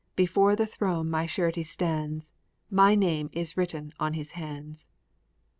... Before the throne my Surety stands My name is written on His hands."